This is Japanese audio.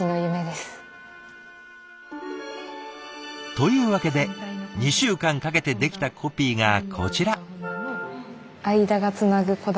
というわけで２週間かけてできたコピーがこちら。